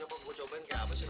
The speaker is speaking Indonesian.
aduh mati gue penyelidik